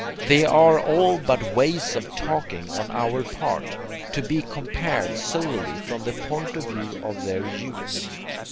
They are all but ways of talking on our part, to be compared solely from the point of view of their USE.